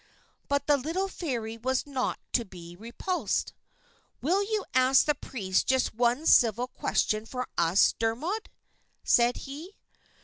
But the little Fairy was not to be repulsed. "Will you ask the Priest just one civil question for us, Dermod?" said he.